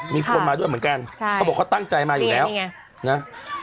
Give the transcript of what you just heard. มีคนมาด้วยเหมือนกันใช่เขาบอกเขาตั้งใจมาอยู่แล้วเนี่ยเนี่ย